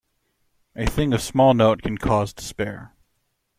A thing of small note can cause despair.